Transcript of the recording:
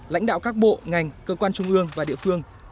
lãnh đạo các bộ ngành cơ quan trung ương và địa phương